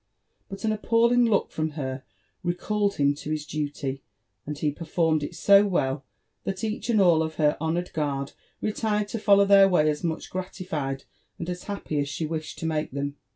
But an appealing look from her re called him to his duty ; and he performed it so well, that each and all of her honoured guard retired to follow their way as much gratified and as happy as she wished to make them.